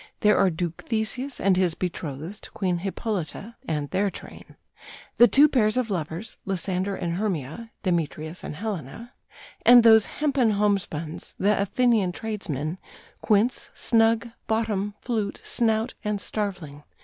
There are Duke Theseus and his betrothed, Queen Hippolyta, and their train; the two pairs of lovers Lysander and Hermia, Demetrius and Helena; and those hempen homespuns, the Athenian tradesmen Quince, Snug, Bottom, Flute, Snout, and Starveling....